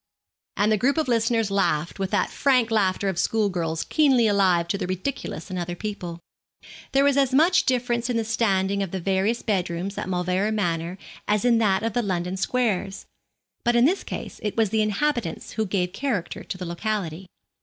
And the group of listeners laughed, with that frank laughter of school girls keenly alive to the ridiculous in other people. There was as much difference in the standing of the various bedrooms at Mauleverer Manor as in that of the London squares, but in this case it was the inhabitants who gave character to the locality.